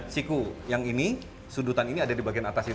siku yang ini sudutan ini ada di bagian atas itu